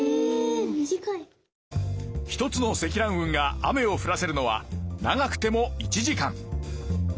一つの積乱雲が雨を降らせるのは長くても１時間。